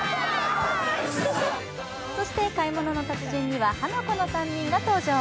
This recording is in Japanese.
そして「買い物の達人」にはハナコの３人が登場。